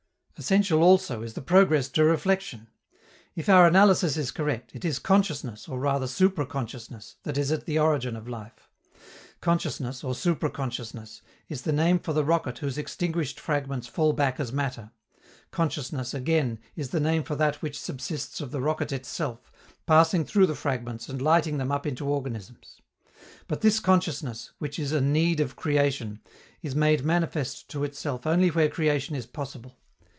Essential also is the progress to reflexion. If our analysis is correct, it is consciousness, or rather supra consciousness, that is at the origin of life. Consciousness, or supra consciousness, is the name for the rocket whose extinguished fragments fall back as matter; consciousness, again, is the name for that which subsists of the rocket itself, passing through the fragments and lighting them up into organisms. But this consciousness, which is a need of creation, is made manifest to itself only where creation is possible.